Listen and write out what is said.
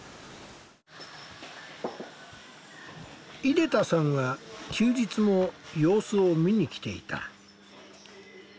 出田さんは休日も様子を見に来ていた。